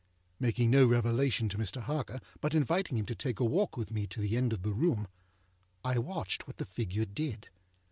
â Making no revelation to Mr. Harker, but inviting him to take a walk with me to the end of the room, I watched what the figure did.